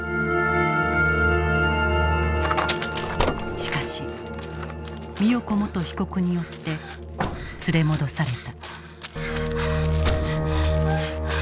・しかし美代子元被告によって連れ戻された。